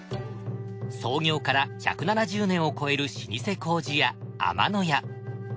創業から１７０年を超える老舗糀屋天野屋。